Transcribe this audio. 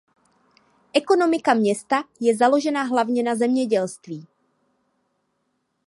Ekonomika města je založena hlavně na zemědělství.